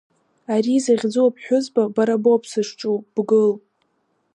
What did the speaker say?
Ари захьӡу Аԥҳәызба, бара боуп сызҿу, бгыл!